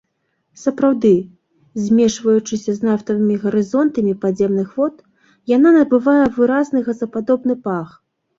Сапраўды, змешваючыся з нафтавымі гарызонтамі падземных вод, яна набывае выразны газападобны пах.